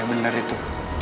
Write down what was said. iya bener itu